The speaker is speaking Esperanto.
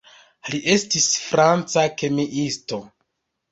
Li estis franca kemiisto.